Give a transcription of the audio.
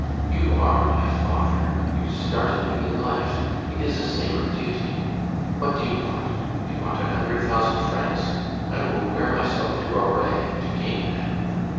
You are my father; you started me in life; it is a sacred duty. What do you want? Do you want a hundred thousand francs? I will wear myself to a rag to gain them.